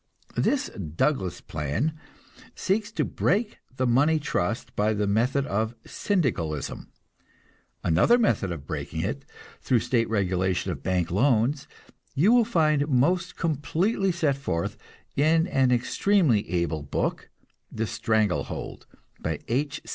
This "Douglas plan" seeks to break the Money Trust by the method of Syndicalism. Another method of breaking it, through state regulation of bank loans, you will find most completely set forth in an extremely able book, "The Strangle Hold," by H.